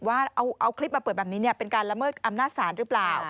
ว่าเอาคลิปมาเปิดแบบนี้เป็นการละเมิดอำนาจศาลหรือเปล่า